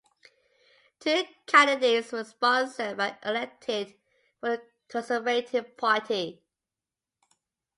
Two candidates were sponsored and elected for the Conservative Party.